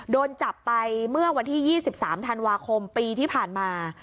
โดนจับไปเมื่อวันที่๒๓ธันวาคมปีที่ผ่านมา